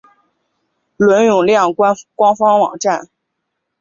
伦永亮官方网站